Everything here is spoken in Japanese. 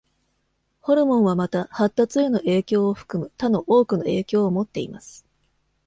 ホルモンはまた、発達への影響を含む他の多くの影響を持っています。